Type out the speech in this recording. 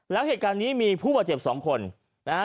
แล้วเหตุการณ์นี้มีผู้บาดเจ็บสองคนนะฮะ